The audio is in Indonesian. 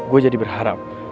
gue jadi berharap